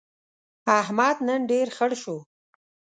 احمد نن ډېر خړ شو.